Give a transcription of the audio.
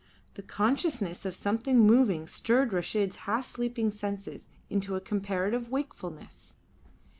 The consciousness of something moving stirred Reshid's half sleeping senses into a comparative wakefulness.